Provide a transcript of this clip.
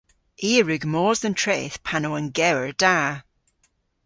I a wrug mos dhe'n treth pan o an gewer da.